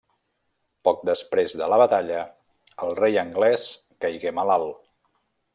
Poc després de la batalla, el rei anglès caigué malalt.